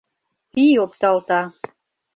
Пий опталта.